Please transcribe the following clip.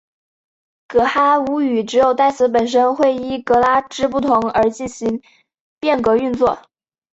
噶哈巫语只有代词本身会依格位之不同而进行变格运作。